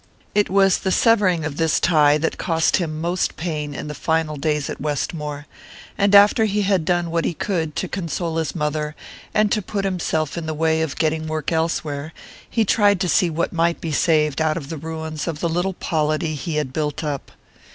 It was the severing of this tie that cost him most pain in the final days at Westmore; and after he had done what he could to console his mother, and to put himself in the way of getting work elsewhere, he tried to see what might be saved out of the ruins of the little polity he had built up.